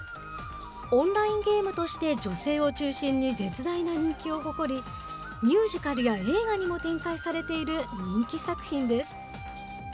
オンラインゲームとして女性を中心に絶大な人気を誇り、ミュージカルや映画にも展開されている人気作品です。